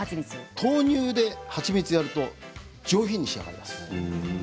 豆乳ではちみつすると上品に仕上がります。